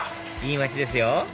いい街ですよ